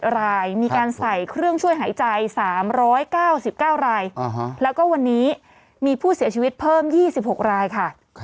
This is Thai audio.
รายมีการใส่เครื่องช่วยหายใจ๓๙๙รายแล้วก็วันนี้มีผู้เสียชีวิตเพิ่ม๒๖รายค่ะ